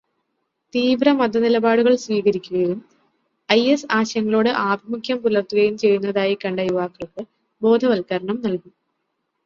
തീവ്രമതനിലപാടുകൾ സ്വീകരിക്കുകയും ഐഎസ് ആശയങ്ങളോട് ആഭിമുഖ്യം പുലർത്തുകയും ചെയ്യുന്നതായി കണ്ട യുവാക്കൾക്ക് ബോധവത്കരണം നൽകും.